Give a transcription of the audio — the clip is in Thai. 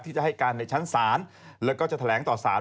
ที่จะให้การในชั้นศาลแล้วก็จะแถลงต่อสาร